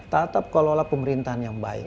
tata kelola pemerintahan yang baik